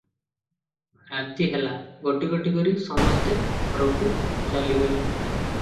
ରାତି ହେଲା, ଗୋଟି ଗୋଟି ହୋଇ ସମସ୍ତେ ଘରକୁ ଚାଲିଗଲେ ।